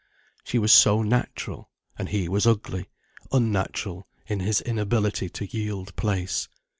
She was so natural, and he was ugly, unnatural, in his inability to yield place.